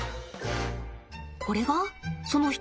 これがその一つ？